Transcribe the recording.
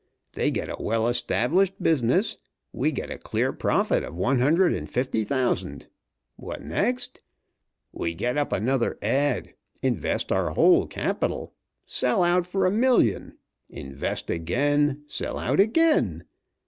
They get a well established business. We get a clear profit of one hundred and fifty thousand. What next? We get up another ad. Invest our whole capital. Sell out for a million. Invest again, sell out again.